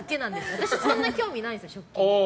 私そんな興味ないんですよ、食器。